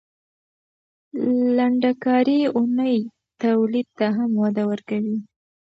لنډه کاري اونۍ تولید ته هم وده ورکوي.